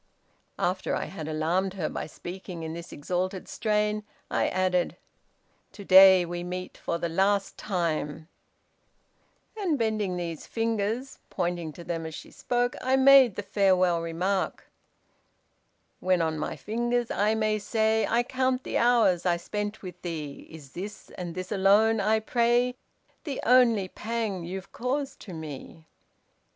After I had alarmed her by speaking in this exalted strain, I added, 'to day we meet for the last time,' and bending these fingers (pointing to them as she spoke) I made the farewell remark: When on my fingers, I must say I count the hours I spent with thee, Is this, and this alone, I pray The only pang you've caused to me?